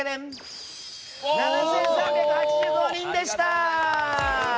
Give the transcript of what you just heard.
７３８５人でした！